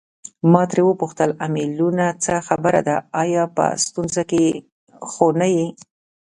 ما ترې وپوښتل امیلیو څه خبره ده آیا په ستونزه کې خو نه یې.